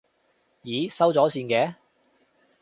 咦，收咗線嘅？